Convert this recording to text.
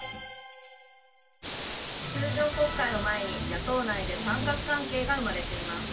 通常国会を前に野党内で三角関係が生まれています。